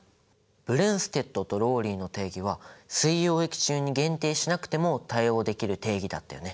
ブレンステッドとローリーの定義は水溶液中に限定しなくても対応できる定義だったよね。